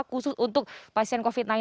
khusus untuk pasien covid sembilan belas